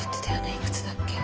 いくつだっけ？